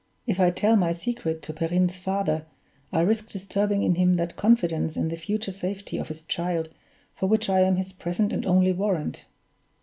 "If I tell my secret to Perrine's father, I risk disturbing in him that confidence in the future safety of his child for which I am his present and only warrant."